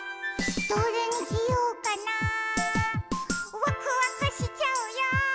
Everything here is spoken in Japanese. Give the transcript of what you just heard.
「どれにしようかなわくわくしちゃうよ」